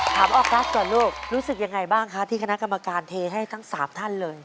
ออกัสก่อนลูกรู้สึกยังไงบ้างคะที่คณะกรรมการเทให้ทั้ง๓ท่านเลย